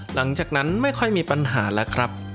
หลังจากนั้นไม่ค่อยมีปัญหาแล้วครับ